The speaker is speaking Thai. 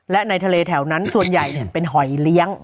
และในทะเลแถวนั้นส่วนใหญ่เป็นหอยเลี้ยง